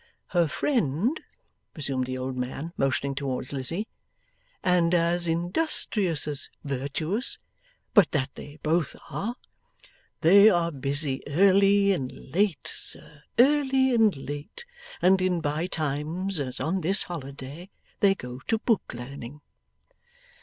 'Her friend,' resumed the old man, motioning towards Lizzie; 'and as industrious as virtuous. But that they both are. They are busy early and late, sir, early and late; and in bye times, as on this holiday, they go to book learning.